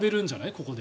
ここで。